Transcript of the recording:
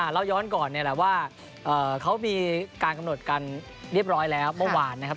เราย้อนก่อนเนี่ยแหละว่าเขามีการกำหนดกันเรียบร้อยแล้วเมื่อวานนะครับ